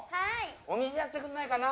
お水やってくんないかな。